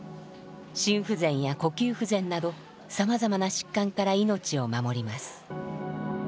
心不全や呼吸不全などさまざまな疾患から命を守ります。